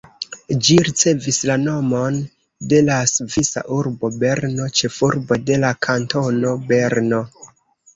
Ĝi ricevis la nomon de la svisa urbo Berno, ĉefurbo de la kantono Berno.